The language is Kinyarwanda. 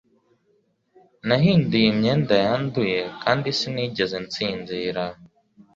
nahinduye imyenda yanduye kandi sinigeze nsinzira